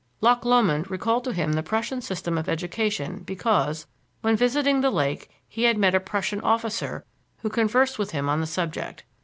Loch Lomond recalled to him the Prussian system of education because, when visiting the lake, he had met a Prussian officer who conversed with him on the subject.